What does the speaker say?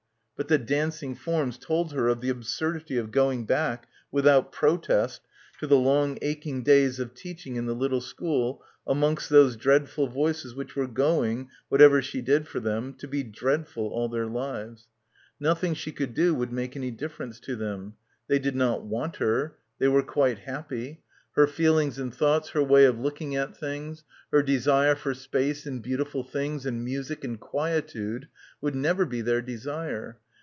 But the dancing forms told her of the ab surdity of going back without protest to the long aching days of teaching in the little school amongst those dreadful voices which were going, whatever she did for them, to be dreadful all their lives. Nothing she could do would make any difference — 248 — BACKWATER to them. They did not want her. They were quite happy. Her feelings and thoughts, her way of looking at things, her desire for space and beau tiful things and music and quietude would never be their desire.